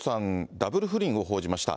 ダブル不倫を報じました。